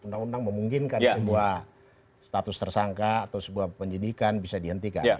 undang undang memungkinkan sebuah status tersangka atau sebuah penyidikan bisa dihentikan